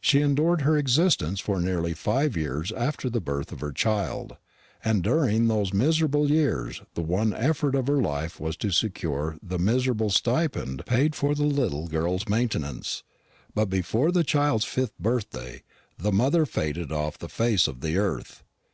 She endured her existence for nearly five years after the birth of her child, and during those miserable years the one effort of her life was to secure the miserable stipend paid for the little girl's maintenance; but before the child's fifth birthday the mother faded off the face of the earth.